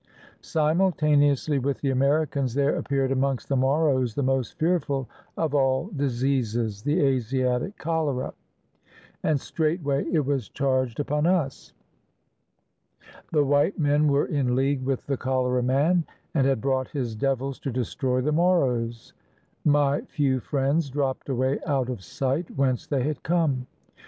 Simultaneously with the Americans there appeared amongst the Moros the most fearful of all dis eases, the Asiatic cholera, and straightway it was charged upon us. The white men were in league with the Cholera Man, and had brought his devils to destroy the Moros. My few friends dropped away out of sight, whence they had come.